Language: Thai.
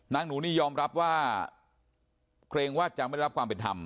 หนูนี่ยอมรับว่าเกรงว่าจะไม่ได้รับความเป็นธรรม